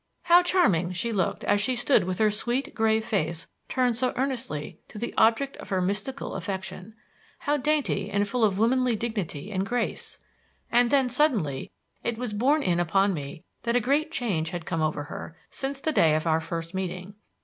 How charming she looked as she stood with her sweet, grave face turned so earnestly to the object of her mystical affection! How dainty and full of womanly dignity and grace! And then suddenly it was borne in upon me that a great change had come over her since the day of our first meeting.